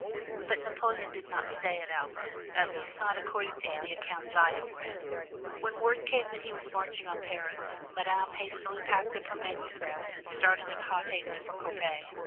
But Napoleon did not stay at Elba, at least not according to any accounts I have read. When word came that he was marching on Paris, Madame hastily packed up her manuscripts and started in hot haste for Coppet.